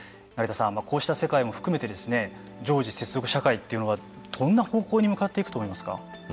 成田さん、こうした世界も含めて常時接続社会というのはどんな方向に向かっていくと思いますか。